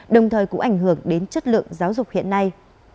đồng thời cũng ảnh hưởng đến chất lượng giáo dục hiện nay